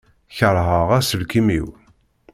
Kerheɣ aselkim-iw.